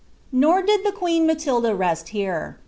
Not did tlie queen MaLlda rest here.